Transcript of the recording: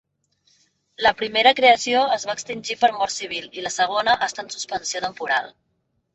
La primera creació es va extingir per mort civil i la segona està en suspensió temporal.